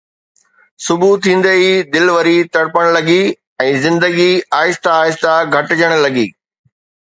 صبح ٿيندي ئي دل وري تڙپڻ لڳي، ۽ زندگي آهستي آهستي گهٽجڻ لڳي